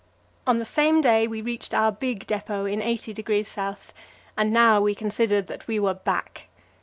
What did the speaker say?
On the same day we reached our big depot in 80° S., and now we considered that we were back.